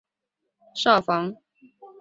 而炮台两旁则建有印度建筑特色的哨房。